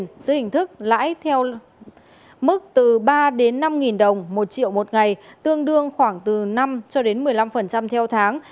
giữ hình thức lãi theo mức từ ba năm đồng một triệu một ngày tương đương khoảng từ năm một mươi năm theo tháng